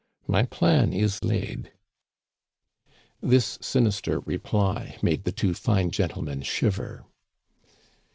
My plan is laid." This sinister reply made the two fine gentlemen shiver.